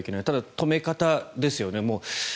ただ、止め方ですよね。